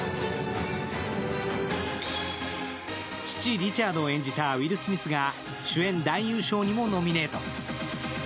父・リチャードを演じたウィル・スミスが主演男優賞にもノミネート。